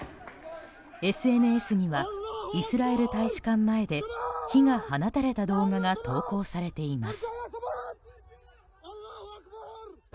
ＳＮＳにはイスラエル大使館前で火が放たれた動画が投稿されています。